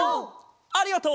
ありがとう！